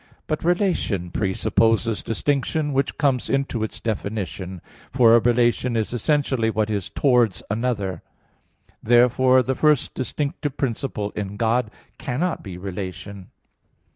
But relation presupposes distinction, which comes into its definition; for a relation is essentially what is towards another. Therefore the first distinctive principle in God cannot be relation.